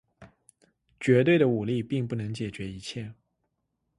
绝对的武力并不能解决一切。